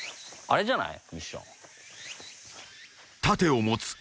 これじゃない？